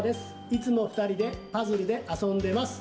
いつもふたりでパズルであそんでます。